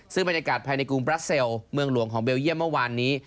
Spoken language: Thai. ซึ่งบรรยากาศภายในกรุงบราเซลเมืองหลวงของเบลเยี่ยมเมื่อวานนี้